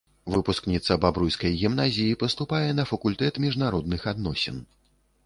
Выпускніца бабруйскай гімназіі паступае на факультэт міжнародных адносін.